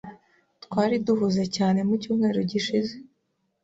Twari duhuze cyane mu cyumweru gishize.